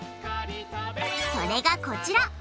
それがこちら！